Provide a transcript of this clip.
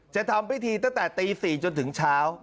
จะทำพิธีตั้งแต่ตี๔จนถึงเช้า